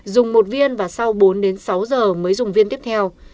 dùng một viên và sau bốn đến sáu giờ mới dùng viên tiếp theo